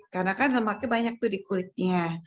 karena kan lemaknya banyak tuh di kulitnya